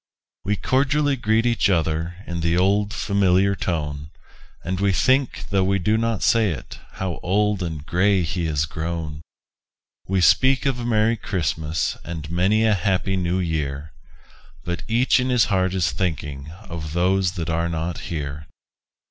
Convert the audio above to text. We cordially greet each other In the old, familiar tone; And we think, though we do not say it, How old and gray he is grown! We speak of a Merry Christmas And many a Happy New Year But each in his heart is thinking Of those that are not here.